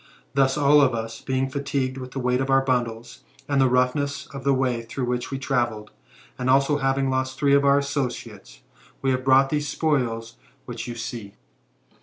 Thus, all of us being fatigued with the weight of the bundles, and the roughness of the way through which we travelled, and also having lost three of our associates, we have brought these spoils which you see."